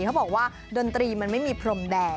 เขาบอกว่าดนตรีมันไม่มีพรมแดง